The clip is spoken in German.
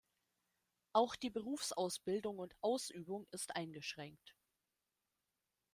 Auch die Berufsausbildung und -ausübung ist eingeschränkt.